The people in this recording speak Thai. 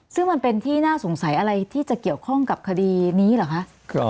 ซึ่งมันเป็นที่น่าสงสัยอะไรที่จะเกี่ยวข้องกับคดีนี้เหรอคะ